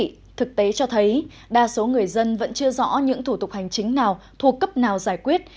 thưa quý vị thực tế cho thấy đa số người dân vẫn chưa rõ những thủ tục hành trình nào thuộc cấp nào giải quyết